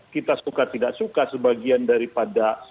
kita suka tidak suka sebagian daripada